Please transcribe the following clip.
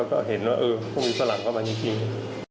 ก็เห็นว่าเออมันมีสหรับข้างมาจริง